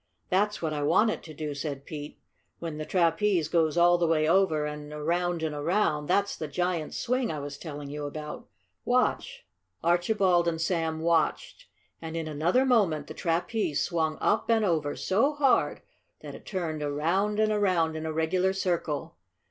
"That's what I want it to do," said Pete. "When the trapeze goes all the way over and around and around, that's the giant's swing I was telling you about. Watch!" Archibald and Sam watched, and in another moment the trapeze swung up and over so hard that it turned around and around in a regular circle.